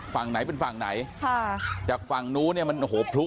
ฝั่งไหนเป็นฝั่งไหนค่ะจากฝั่งนู้นเนี่ยมันโอ้โหพลุ